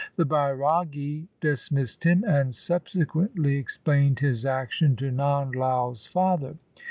The Bairagi dismissed him, and subse quently explained his action to Nand Lai's father.